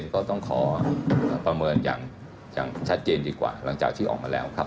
ก็ต้องขอประเมินอย่างชัดเจนดีกว่าหลังจากที่ออกมาแล้วครับ